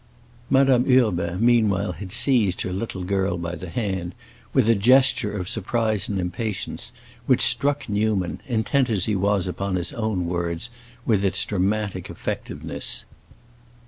Madame Urbain meanwhile had seized her little girl by the hand, with a gesture of surprise and impatience which struck Newman, intent as he was upon his own words, with its dramatic effectiveness.